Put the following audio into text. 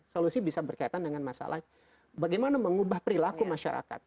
solusi bisa berkaitan dengan masalah bagaimana mengubah perilaku masyarakat